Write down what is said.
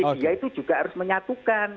media itu juga harus menyatukan